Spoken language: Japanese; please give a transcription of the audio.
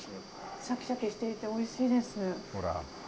シャキシャキしていておいしいです。